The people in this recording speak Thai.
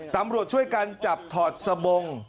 ตำรวจช่วยกันจับถอดสบง